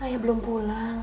ayah belum pulang